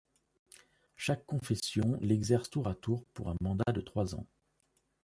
Chaque confession l'exerce tout à tour pour un mandat de trois ans.